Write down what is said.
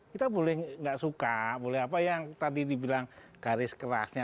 kita boleh nggak suka boleh apa yang tadi dibilang garis kerasnya